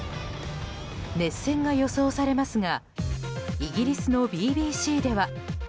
熱戦が予想されますがイギリスのＢＢＣでは。